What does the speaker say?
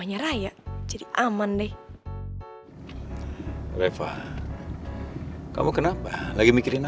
hmm kayaknya papi mesti diajak ke tempatnya babe deh